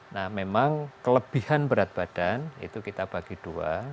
nah memang kelebihan berat badan itu kita bagi dua